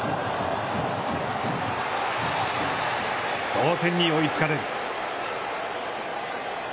同点に追いつかれる。